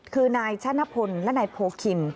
คือนายชะนพลและนายโพคิน